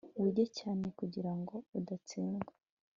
wige cyane kugirango udatsindwa